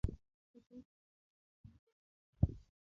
هیلۍ د ټولنې د فطرت یادونه کوي